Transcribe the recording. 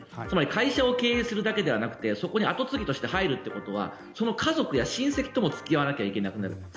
つまり会社を経営するだけではなくてそこに後継ぎとして入るということはその家族や親戚とも付き合わなきゃいけなくなる。